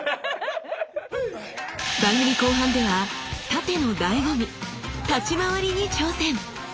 番組後半では殺陣のだいご味「立ち廻り」に挑戦！